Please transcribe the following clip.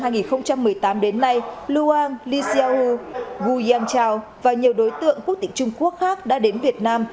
từ năm hai nghìn một mươi tám đến nay luang lixiao guiyangchao và nhiều đối tượng quốc tỉnh trung quốc khác đã đến việt nam